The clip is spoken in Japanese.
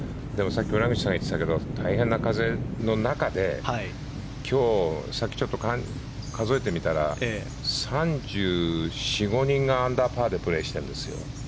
さっき村口さんが言っていたけど、大変な風の中で今日さっきちょっと数えてみたら３４３５人がアンダーパーでプレーしているんですよ。